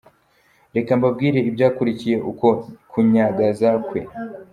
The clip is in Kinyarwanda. Reka mbambwire ibyakurikiye uko kunyagaza kwe.